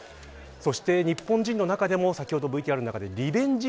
そして日本人の中でも先ほどＶＴＲの中でリベンジ